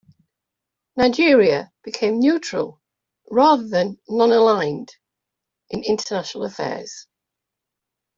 Nigeria became "neutral" rather than "nonaligned" in international affairs.